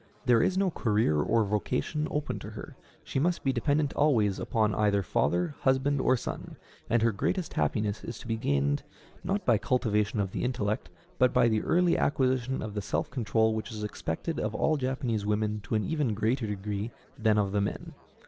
There is no career or vocation open to her: she must be dependent always upon either father, husband, or son, and her greatest happiness is to be gained, not by cultivation of the intellect, but by the early acquisition of the self control which is expected of all Japanese women to an even greater degree than of the men.